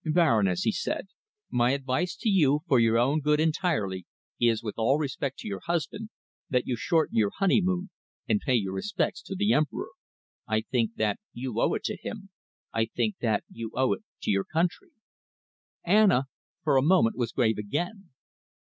"Baroness," he said, "my advice to you, for your own good entirely, is, with all respect to your husband, that you shorten your honeymoon and pay your respects to the Emperor. I think that you owe it to him. I think that you owe it to your country." Anna for a moment was grave again.